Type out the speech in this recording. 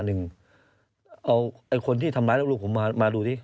เอาคนที่ทำร้ายลูกผมมาดูซิ